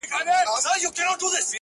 ډيره ژړا لـــږ خـــنــــــــــدا”